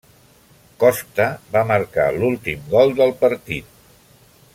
Costa va marcar l'últim gol del partit.